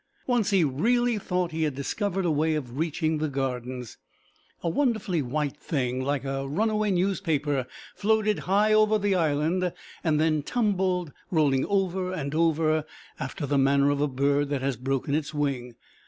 Once he really thought he had discovered a way of reaching the Gardens. A wonderful white thing, like a runaway newspaper, floated high over the island and then tumbled, rolling over and over after the manner of a bird that has broken its wing.